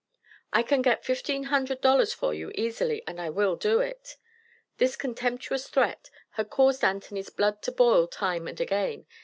"I can get fifteen hundred dollars for you easily, and I will do it." This contemptuous threat had caused Anthony's blood to boil time and again.